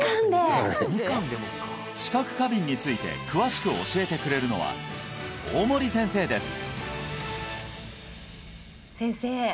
はい知覚過敏について詳しく教えてくれるのは大森先生です